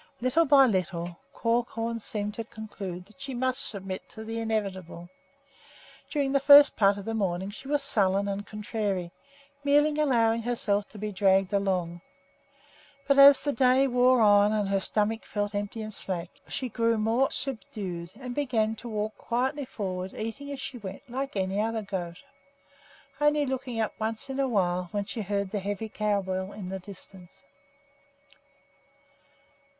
Little by little Crookhorn seemed to conclude that she must submit to the inevitable. During the first part of the morning she was sullen and contrary, merely allowing herself to be dragged along; but as the day wore on and her stomach felt empty and slack, she grew more subdued and began to walk quietly forward, eating as she went like any other goat, only looking up once in a while when she heard the heavy cow bell in the distance.